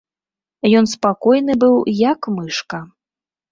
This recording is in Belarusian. Ён спакойны быў як мышка!